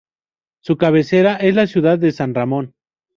Su cabecera es la ciudad de San Ramón.